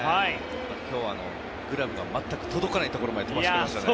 今日はグラブが全く届かないところまで飛ばしていましたね。